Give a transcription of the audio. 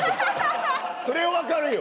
それは分かるよ。